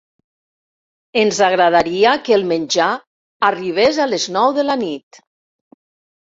Ens agradaria que el menjar arribés a les nou de la nit.